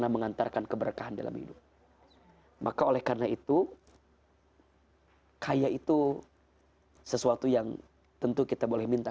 mengantarkan keberkahan dalam hidup maka oleh karena itu kaya itu sesuatu yang tentu kita boleh minta